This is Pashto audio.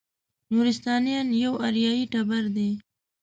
نورستانیان یو اریایي ټبر دی.